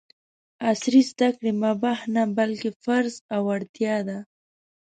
عصري زده کړې مباح نه ، بلکې فرض او اړتیا ده!